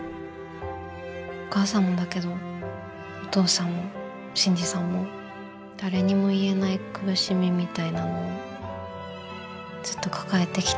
お母さんもだけどお父さんも信爾さんも誰にも言えない苦しみみたいなものずっと抱えてきたんだよね。